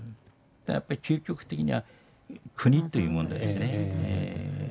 やっぱり究極的には国という問題ですね。